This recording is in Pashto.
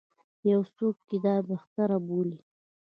یو څوک یې دا بهتر وبولي.